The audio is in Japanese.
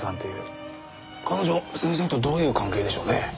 彼女先生とどういう関係でしょうね？